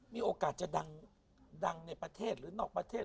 มีโอกาสจะดังในประเทศหรือนอกประเทศ